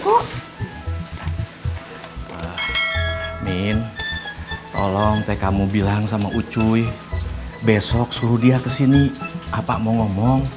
kalau ini dikit kok min tolong teh kamu bilang sama ucuy besok suruh dia kesini apa mau ngomong